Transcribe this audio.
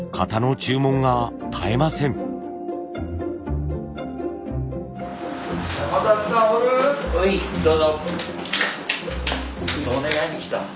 ちょっとお願いに来た。